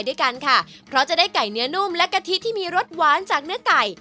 ด้วยกันค่ะเพราะจะได้ไก่เนื้อนุ่มและกะทิที่มีรสหวานจากเนื้อไก่